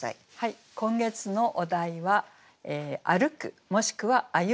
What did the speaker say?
今月のお題は「歩く」もしくは「歩む」なんですが。